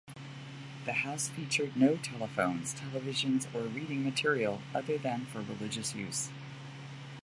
The house featured no telephones, televisions, or reading material other than for religious use.